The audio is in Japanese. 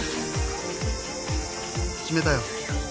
決めたよ。